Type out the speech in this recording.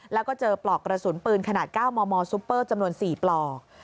แล้วก็เจอปลอกกระสุนปืนขนาด๙มมซุปเปอร์จำนวน๔ปลอก